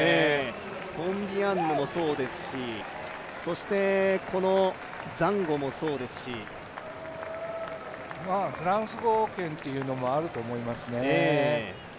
ボンビアンヌもそうですし、ザンゴもそうですし。フランス語圏というのもあると思いますね。